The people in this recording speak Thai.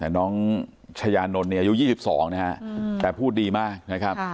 น้องชายานนท์เนี่ยอายุ๒๒นะฮะแต่พูดดีมากนะครับ